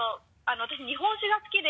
私日本酒が好きで。